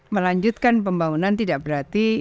melanjutkan pembangunan tidak berarti